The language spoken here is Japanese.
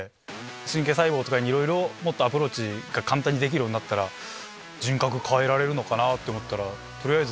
神経細胞とかにいろいろアプローチが簡単にできるようになったら人格変えられるのかなって思ったら取りあえず。